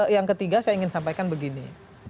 yang ketiga saya ingin sampaikan begini